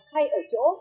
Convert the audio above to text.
hay ở chỗ